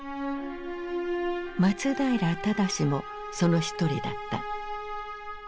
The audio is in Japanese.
松平精もその一人だった。